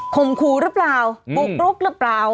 คมครูหรือเปล่าปุ๊บปุ๊บหรือเปล่า